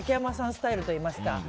スタイルといいますか。